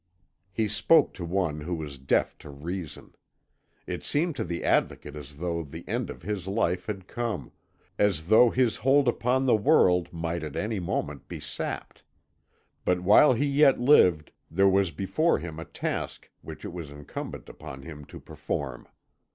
He spoke to one who was deaf to reason. It seemed to the Advocate as though the end of his life had come, as though his hold upon the world might at any moment be sapped; but while he yet lived there was before him a task which it was incumbent upon him to perform.